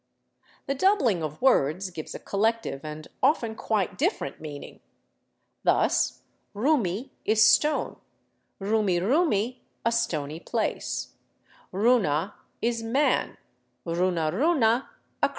The doubling of words gives a collective and often quite dif ferent meaning; thus rumi is stone, rumirumi, a stony place; runa is man, runaruna, 3.